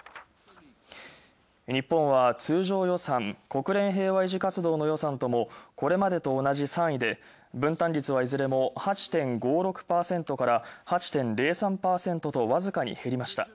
日本は通常予算、国連平和維持活動の予算ともこれまでと同じ３位で、分担率はいずれも８．５６％から８．０３％とわずかに減りました。